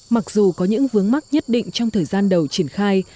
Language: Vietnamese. mặc dù có những vướng mắt nhất định trong thời gian đầu triển khai